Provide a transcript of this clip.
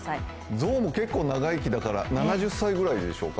象も結構長生きだから７０歳ぐらいでしょうか？